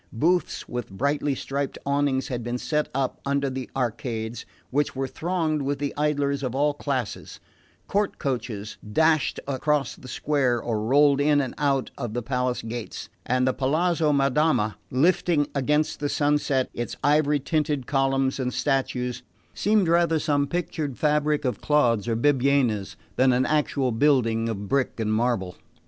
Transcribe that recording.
Booths with brightly striped awnings had been set up under the arcades, which were thronged with idlers of all classes; court coaches dashed across the square or rolled in and out of the palace gates; and the Palazzo Madama, lifting against the sunset its ivory tinted columns and statues, seemed rather some pictured fabric of Claude's or Bibbiena's than an actual building of brick and marble.